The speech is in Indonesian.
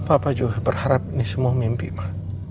bapak juga berharap ini semua mimpi mbak